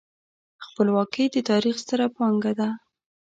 خپلواکي د تاریخ ستره پانګه ده.